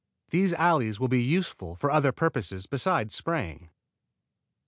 These alleys will be useful for other purposes besides spraying.